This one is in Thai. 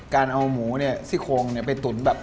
การเอาหมูเนี่ยซี่โครงไปตุ๋นแบบ